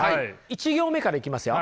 １行目から行きますよ。